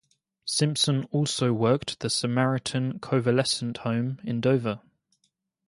Simpson also worked the Samaritan Convalescent Home in Dover.